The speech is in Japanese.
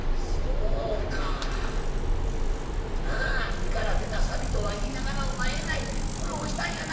『身から出た錆』とは言いながらお前えらい苦労したんやな。